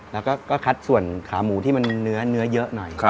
แล้วก็คัดส่วนขาหมูที่มันเนื้อเยอะหน่อย